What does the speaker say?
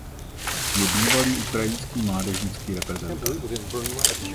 Je bývalý ukrajinský mládežnický reprezentant.